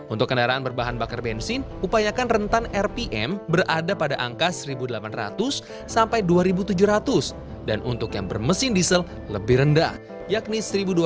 untuk kendaraan berbahan bakar bensin upayakan rentan rpm berada pada angka seribu delapan ratus dua ribu tujuh ratus dan untuk yang bermesin diesel lebih rendah yakni seribu dua ratus seribu delapan ratus